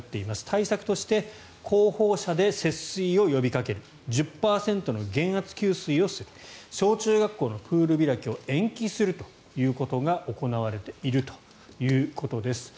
対策として広報車で節水を呼びかける１０％の減圧給水をする小中学校のプール開きを延期するということが行われているということです。